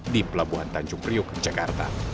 di pelabuhan tanjung priuk jakarta